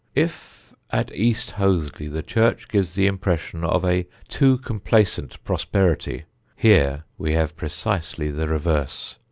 If at East Hoathly the church gives the impression of a too complacent prosperity, here we have precisely the reverse.